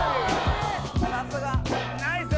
さすが。ナイス！